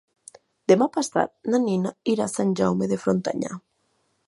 Demà passat na Nina irà a Sant Jaume de Frontanyà.